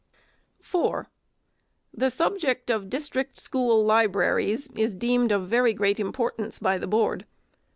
4. The subject of district school libraries is deemed of very great importance by the Board.